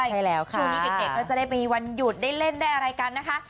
ช่วงนี้เด็กก็จะได้มีวันหยุดได้เล่นได้อะไรกันนะคะ